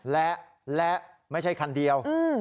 และและไม่ใช่คันเดียวอืม